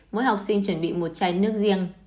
mỗi học sinh chuẩn bị một chai nước riêng